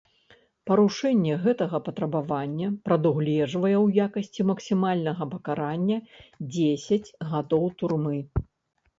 Парушэнне гэтага патрабавання прадугледжвае ў якасці максімальнага пакарання дзесяць гадоў турмы.